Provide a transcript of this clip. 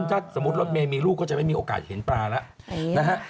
ถ้าสมมุติรถเมย์มีลูกก็จะไม่มีโอกาสเห็นปลาแล้วนะฮะ